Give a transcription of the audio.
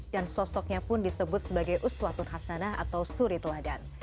dan sosoknya pun disebut sebagai uswatun hasanah atau suri teladan